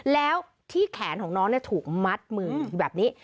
แล้วที่แขนของน้องถูกมัดมือแบบนี้